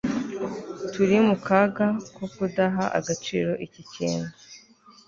turi mu kaga ko kudaha agaciro iki kintu